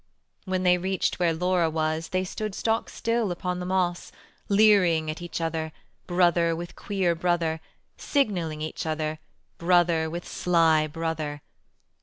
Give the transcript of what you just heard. When they reached where Laura was They stood stock still upon the moss, Leering at each other, Brother with queer brother; Signalling each other, Brother with sly brother.